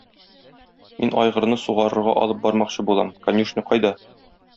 Мин айгырны сугарырга алып бармакчы булам, конюшня кайда?